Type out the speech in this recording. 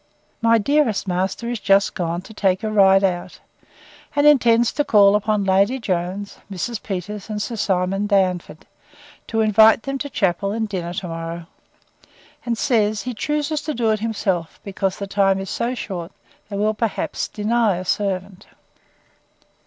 My dearest master is just gone to take a ride out, and intends to call upon Lady Jones, Mr. Peters, and Sir Simon Darnford, to invite them to chapel and dinner to morrow; and says, he chooses to do it himself, because the time is so short, they will, perhaps, deny a servant.